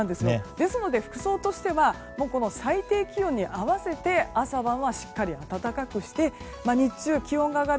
ですので、服装としては最低気温に合わせて朝晩はしっかり暖かくして日中、気温が上がる